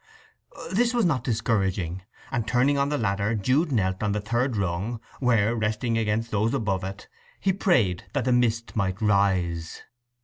This was not discouraging, and turning on the ladder Jude knelt on the third rung, where, resting against those above it, he prayed that the mist might rise.